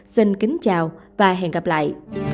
xin kính chào và hẹn gặp lại